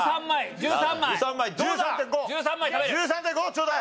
１３．５！１３．５ちょうだい！